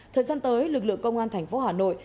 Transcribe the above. thời gian tới lực lượng công an thành phố hà nội